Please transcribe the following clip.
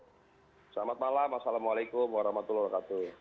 selamat malam assalamualaikum warahmatullahi wabarakatuh